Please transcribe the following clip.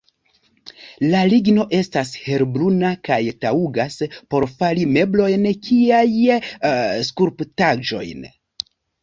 La ligno estas helbruna kaj taŭgas por fari meblojn kiaj skulptaĵojn.